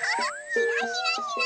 ひらひらひら。